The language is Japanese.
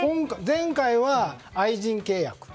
前回は愛人契約。